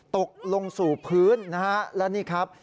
ตกลงสู่พื้นนะฮะและนี่ครับ